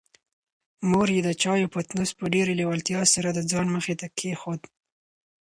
مور یې د چایو پتنوس په ډېرې لېوالتیا سره د ځان مخې ته کېښود.